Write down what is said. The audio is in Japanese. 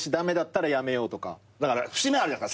だから節目あるじゃない。